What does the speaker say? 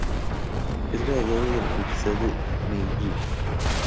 Es graduado de la Universidad de Meiji.